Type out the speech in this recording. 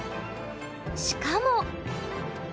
しかも。